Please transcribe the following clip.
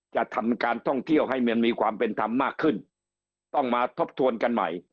จะทำการท่องเที่ยวให้มันมีความเป็นธรรมมากขึ้นต้องมาทบทวนกันใหม่